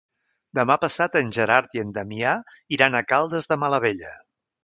Demà passat en Gerard i en Damià iran a Caldes de Malavella.